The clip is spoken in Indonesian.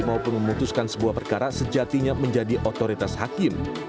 maupun memutuskan sebuah perkara sejatinya menjadi otoritas hakim